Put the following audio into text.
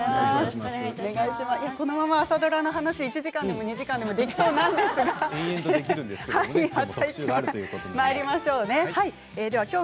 このまま朝ドラの話１時間でも２時間でもできそうなんですけれど「あさイチ」、まいりましょう。